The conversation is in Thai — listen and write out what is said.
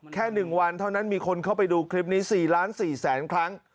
แค่๑วันเท่านั้นมีคนเข้าไปดูคลิปนี้๔๔แสนครั้ง